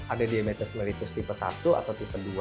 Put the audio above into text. ada diabetes mellitus tipe satu atau tipe dua